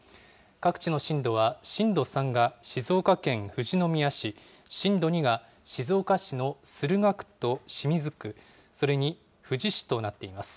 各地の震度は震度３が静岡県富士宮市、震度２が静岡市の駿河区と清水区、それに富士市となっています。